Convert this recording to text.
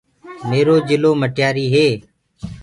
ميرو جِلو مٽياريٚ هي